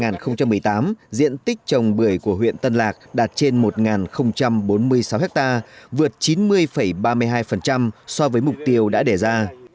năm hai nghìn một mươi tám diện tích trồng bưởi của huyện tân lạc đạt trên một bốn mươi sáu ha vượt chín mươi ba mươi hai so với mục tiêu đã đề ra